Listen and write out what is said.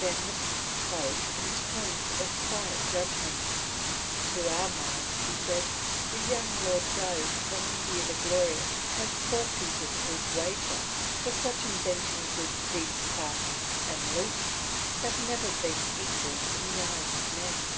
Then the Prince spoke in tones of quiet judgment: "To our mind," he said, "the young Lord Diuk from India the Glorious has forfeited his wager; for such inventions as these clasps and loops have never been equalled in the eyes of men."